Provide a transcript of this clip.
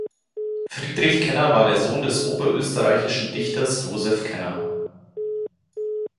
Friedrich Kenner war der Sohn des oberösterreichischen Dichters Joseph Kenner.